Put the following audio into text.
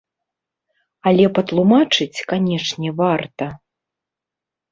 Але патлумачыць, канечне, варта.